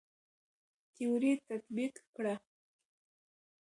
تيوري تطبيق کړه.